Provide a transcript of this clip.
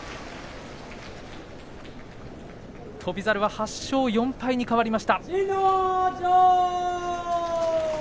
翔猿は８勝４敗に変わりました。